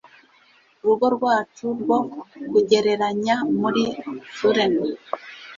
urugo rwacu rwo kugereranya muri sullen